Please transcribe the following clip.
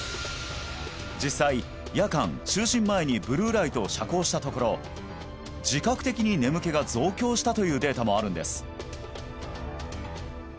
実際夜間就寝前にブルーライトを遮光したところ自覚的に眠気が増強したというデータもあるんです